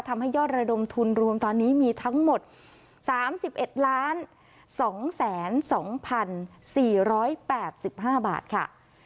ทำให้ยอดระดมทุนรวมตอนนี้มีทั้งหมด๓๑๒๒๔๘๕บาทค่ะ